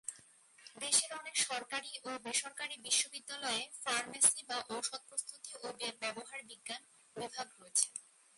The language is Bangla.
দেশের অনেক সরকারী ও বেসরকারী বিশ্ববিদ্যালয়ে ফার্মেসি বা ঔষধ প্রস্তুতি ও ব্যবহার বিজ্ঞান বিভাগ রয়েছে।